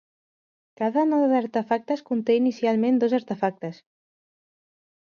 Cada node d'artefactes conté inicialment dos artefactes.